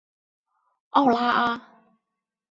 奥拉阿。